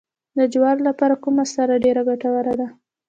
د جوارو لپاره کومه سره ډیره ګټوره ده؟